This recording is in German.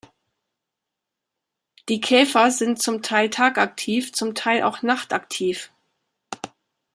Die Käfer sind zum Teil tagaktiv, zum Teil auch nachtaktiv.